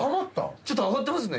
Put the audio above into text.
ちょっと上がってますね。